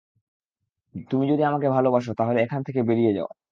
তুমি যদি আমাকে ভালোবাসো, তাহলে এখান থেকে বেরিয়ে যাও!